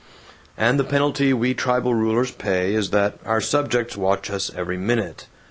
And the penalty we tribal rulers pay is that our subjects watch us every minute.